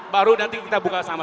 baru nanti kita buka sama